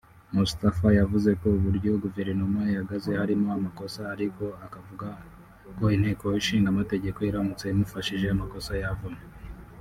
Mustafa yavuze ko uburyo guverinoma ihagaze harimo amakosa ariko avugako Inteko Ishingamategeko iramutse imufashije amakosa yavamo